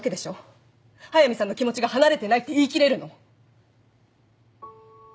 速見さんの気持ちが離れてないって言い切れるの？